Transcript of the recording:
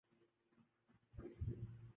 تو میچ پھر سہی۔